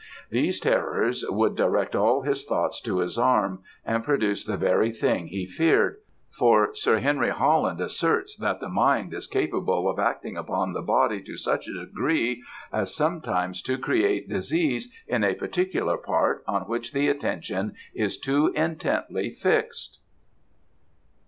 These terrors would direct all his thoughts to his arm, and produce the very thing he feared; for Sir Henry Holland asserts that the mind is capable of acting upon the body to such a degree, as sometimes to create disease in a particular part on which the attention is too intently fixed."